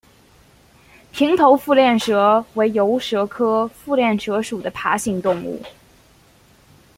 平头腹链蛇为游蛇科腹链蛇属的爬行动物。